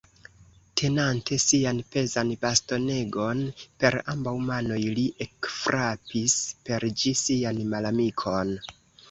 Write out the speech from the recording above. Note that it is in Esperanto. Tenante sian pezan bastonegon per ambaŭ manoj, li ekfrapis per ĝi sian malamikon.